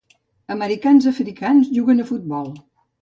Americans africans juguen a futbol.